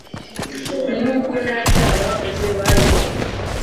Nubwo nta cyaha bakoze, baregwaga.